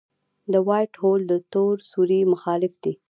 د وائټ هول د تور سوري مخالف دی.